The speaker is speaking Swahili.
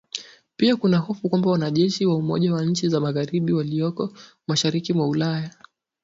Pia kuna hofu kwamba wanajeshi wa umoja wa nchi za magharibi walioko mashariki mwa Ulaya